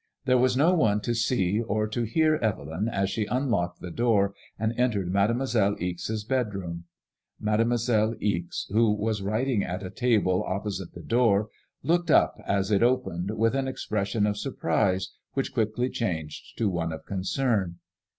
There was no one to see or to hear Evelyn as she unlocked the door and entered Mademoiselle Ixe's bedroom. Mademoiselle Ixe l68 MADEMOISKLLB IXK. who was vniting at a table oppo site the door, looked up as it opened, with an expression of surprise, which quickly changed to one of concern.